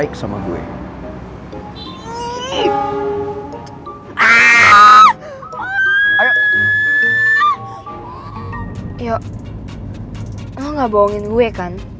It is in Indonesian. kan sangat di deber dan